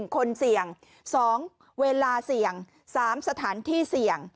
คนเสี่ยง๒เวลาเสี่ยง๓สถานที่เสี่ยง